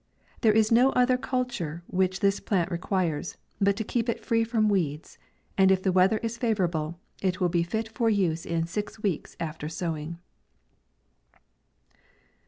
There is no other culture which this plant requires, but to keep it free from weeds, and if the weather is fa vourable, it will be tit for use in six weeks af ter sowing.